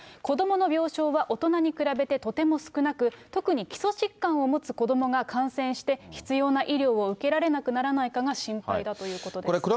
子どもの病床は大人に比べてとても少なく、特に基礎疾患を持つ子どもが感染して、必要な医療を受けられなくならないかが心配だということです。